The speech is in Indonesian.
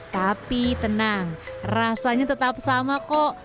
tapi tenang rasanya tetap sama kok